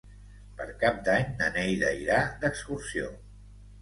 Per Cap d'Any na Neida irà d'excursió.